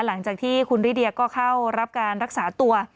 หลังจากที่คุณริเดียก็เข้ารับการรักษาตัว